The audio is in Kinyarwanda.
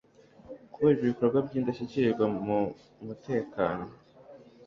kubera ibikorwa by'indashyikirwa mu mutekano